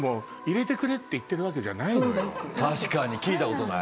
確かに聞いたことない。